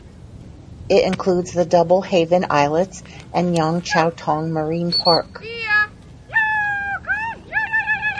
It includes the Double Haven islets and Yan Chau Tong Marine Park.